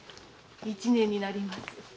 一年になります。